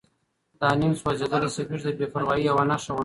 دا نیم سوځېدلی سګرټ د بې پروایۍ یوه نښه وه.